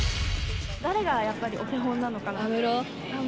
誰がやっぱりお手本なのかな？